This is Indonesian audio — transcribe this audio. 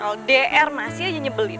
ldr masih aja nyebelin